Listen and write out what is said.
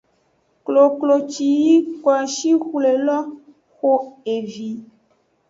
Koklo ci yi koeshi xwle lo xo evi.